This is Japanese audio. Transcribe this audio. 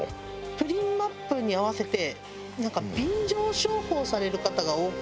『プリンマップ』に合わせて便乗商法される方が多くて。